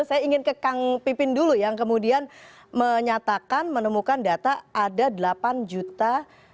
saya ingin ke kang pipin dulu yang kemudian menyatakan menemukan data ada delapan juta